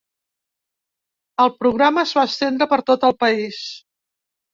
El programa es va estendre per tot el país.